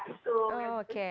itu yang bikin kangen banget sih